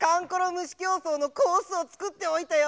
むしきょうそうのコースをつくっておいたよ！